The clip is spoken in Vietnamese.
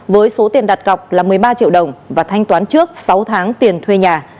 với số tiền đặt cọc là một mươi ba triệu đồng và thanh toán trước sáu tháng tiền thuê nhà